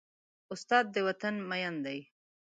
استاد د وطن مین دی.